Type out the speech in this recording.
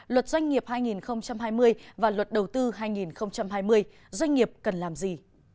luật doanh nghiệp hai nghìn hai mươi và luật đầu tư hai nghìn hai mươi doanh nghiệp cần làm gì